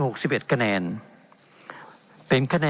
เป็นของสมาชิกสภาพภูมิแทนรัฐรนดร